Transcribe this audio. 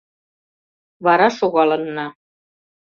Вара шогалынна.